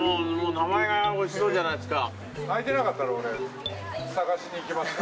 名前がおいしそうじゃないっすか。